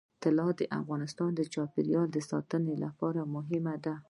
طلا د افغانستان د چاپیریال ساتنې لپاره مهم دي.